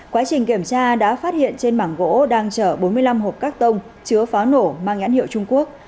quá trình kiểm tra đã phát hiện trên mảng gỗ đang chở bốn mươi năm hộp các tông chứa pháo nổ mang nhãn hiệu trung quốc